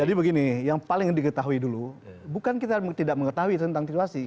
jadi begini yang paling diketahui dulu bukan kita tidak mengetahui tentang situasi